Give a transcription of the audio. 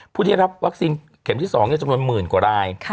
ผู้ที่รับวัคซีนเข็มที่๒จำนวนหมื่นกว่าราย